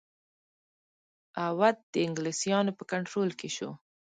اَوَد د انګلیسیانو په کنټرول کې شو.